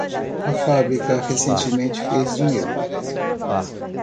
A fábrica recentemente fez dinheiro